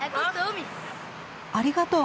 ありがとう。